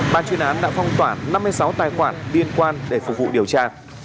bà chuyên án đã phong toản năm mươi sáu tài khoản liên quan để phục vụ điều tra